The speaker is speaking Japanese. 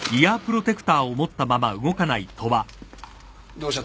どうした？